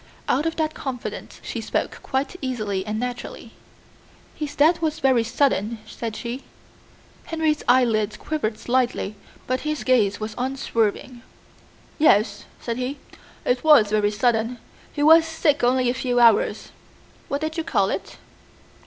Out of that confidence she spoke quite easily and naturally. "His death was very sudden," said she. Henry's eyelids quivered slightly but his gaze was unswerving. "Yes," said he, "it was very sudden. He was sick only a few hours." "What did you call it?"